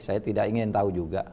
saya tidak ingin tahu juga